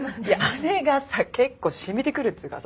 あれがさ結構染みてくるっつうかさ